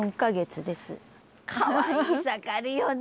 かわいい盛りよね